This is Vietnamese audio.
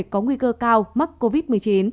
có nguy cơ cao mắc covid một mươi chín